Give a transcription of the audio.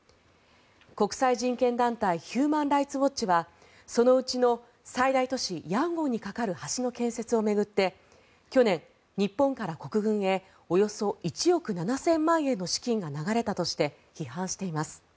国際人権団体ヒューマン・ライツ・ウォッチはそのうちの最大都市ヤンゴンに架かる橋の建設を巡って去年、日本から国軍へおよそ１億７０００万円の資金が流れたとして批判しています。